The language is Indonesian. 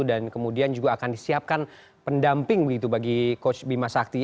dan kemudian juga akan disiapkan pendamping begitu bagi coach bima sakti